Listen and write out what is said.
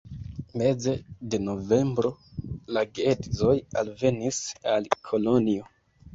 Meze de novembro la geedzoj alvenis al Kolonjo.